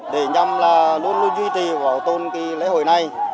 để nhằm là luôn luôn duy trì bảo tồn cái lễ hội này